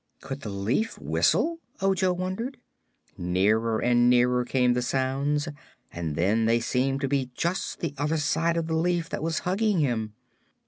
Could the leaf whistle, Ojo wondered? Nearer and nearer came the sounds and then they seemed to be just the other side of the leaf that was hugging him.